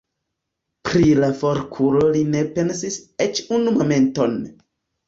Pri la forkuro li ne pensis eĉ unu momenton.